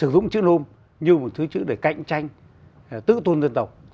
tự tôn dân tộc